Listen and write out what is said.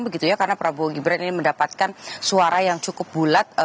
begitu ya karena prabowo gibran ini mendapatkan suara yang cukup bulat